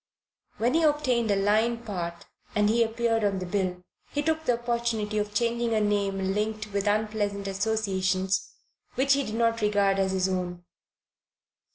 When he obtained a line part and he appeared on the bill, he took the opportunity of changing a name linked with unpleasant associations which he did not regard as his own.